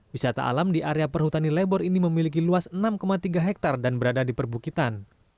wisata alam di area perhutani lebor ini memiliki luas enam tiga hektare dan berada di perbukitan